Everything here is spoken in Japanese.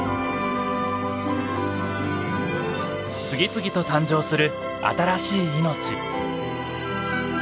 次々と誕生する新しい命。